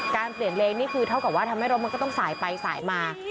เปลี่ยนเลนนี่คือเท่ากับว่าทำให้รถมันก็ต้องสายไปสายมา